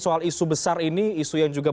soal isu besar ini isu yang juga